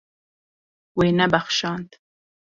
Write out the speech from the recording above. Wê nebexşand.